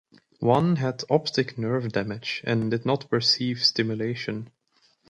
One had optic nerve damage and did not perceive stimulation.